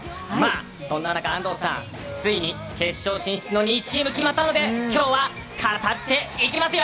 そんな中、安藤さんついに決勝進出の２チームが決まったので今日はカタっていきますよ！